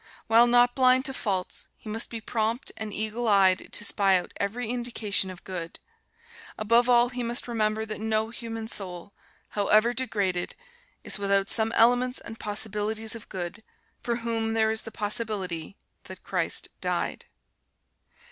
While not blind to faults, he must be prompt and eagle eyed to spy out every indication of good. Above all, he must remember that no human soul, however degraded, is without some elements and possibilities of good, for whom there is the possibility that Christ died.